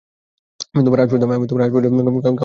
আমি আজ পর্যন্ত কাউকে ভালোবাসি নি।